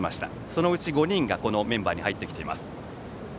そのうち５人がメンバーに入ってきています。